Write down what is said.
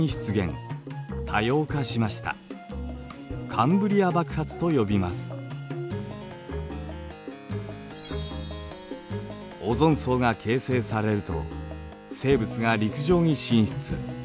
カンブリア紀オゾン層が形成されると生物が陸上に進出。